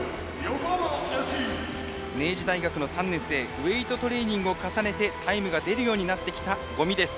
ウエイトトレーニングを重ねてタイムが出るようになってきた五味です。